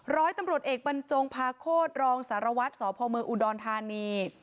ร้อยตำรวจเอกบรรจงพาโคตรรองสารวัตรสพเมืองอุดรธานี